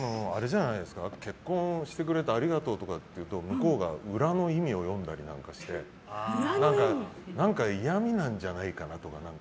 結婚してくれてありがとうとかって言うと向こうが裏の意味を読んだりなんかして何か嫌味なんじゃないかなとか。